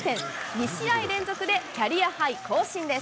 ２試合連続でキャリアハイ更新です。